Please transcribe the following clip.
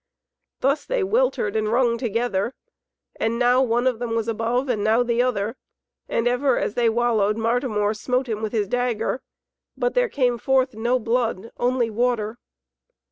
Thus they weltered and wrung together, and now one of them was above and now the other; and ever as they wallowed Martimor smote him with his dagger, but there came forth no blood, only water.